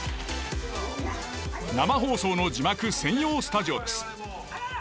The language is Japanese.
生放送の字幕専用スタジオです。